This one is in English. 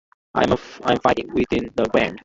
I'm fighting within the band.